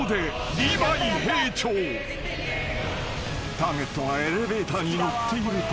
［ターゲットがエレベーターに乗っていると］